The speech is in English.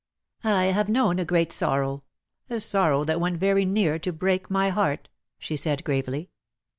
"I have known a great sorrow, a sorrow that went very near to break my heart," she said gravely.